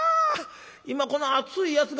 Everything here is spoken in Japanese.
今この熱いやつがね